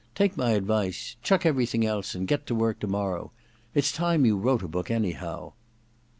Take my advice — chuck everything else and get to work to morrow. It's time you wrote a oook, anyhow.